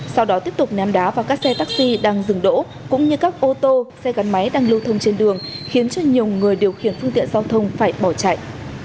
sau đó tiếp tục ném đá vào các xe taxi đang dừng đỗ cũng như các ô tô xe gắn máy đang lưu thông trên đường khiến cho nhiều người điều khiển phương tiện giao thông phải bỏ chạy